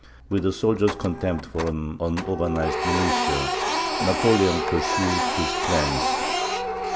With a soldier's contempt for an unorganized militia, Napoleon pursued his plans.